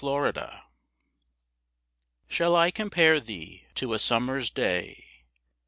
XVIII Shall I compare thee to a summer's day?